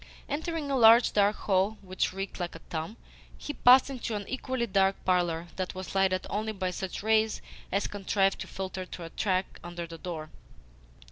Entering a large, dark hall which reeked like a tomb, he passed into an equally dark parlour that was lighted only by such rays as contrived to filter through a crack under the door.